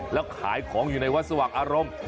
แล้วขายของอยู่ในวัดสว่างอารมณ์